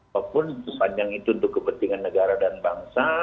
walaupun sepanjang itu untuk kepentingan negara dan bangsa